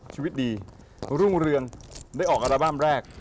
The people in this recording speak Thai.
ชีวิตดีรุ่งเรืองได้ออกอัลบั้มแรก